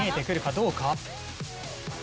どうか？